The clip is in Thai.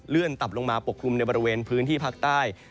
ตับลงมาปกคลุมในบริเวณพื้นที่ภาคใต้